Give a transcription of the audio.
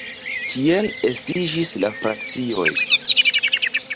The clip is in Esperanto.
Tiel estiĝis la frakcioj.